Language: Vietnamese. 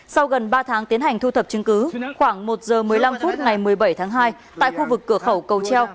sau gần ba tháng tiến hành thu thập chứng cứ khoảng một h một mươi năm phút ngày một mươi bảy tháng hai tại khu vực cửa khẩu cầu treo